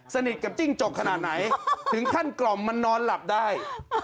สนิทกับจิ้งจกขนาดไหนถึงขั้นกล่อมมันนอนหลับได้